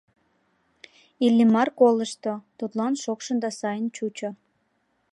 Иллимар колышто, тудлан шокшын да сайын чучо.